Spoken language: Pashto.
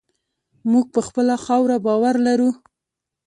موږ په خپله خاوره باور لرو.